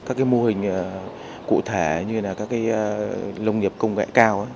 các cái mô hình cụ thể như là các cái lông nghiệp công nghệ cao